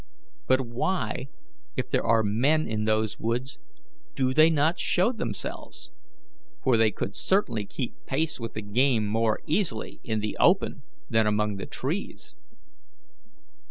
But why, if there are men in those woods, do they not show themselves? for they could certainly keep pace with the game more easily in the open than among the trees."